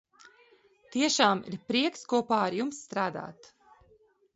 Tiešām ir prieks kopā ar jums strādāt!